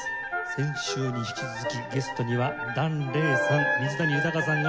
先週に引き続きゲストには檀れいさん